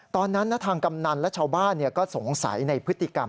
ตอนนั้นทางกำนันและชาวบ้านก็สงสัยในพฤติกรรม